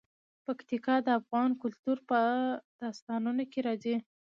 پکتیکا د افغان کلتور په داستانونو کې راځي.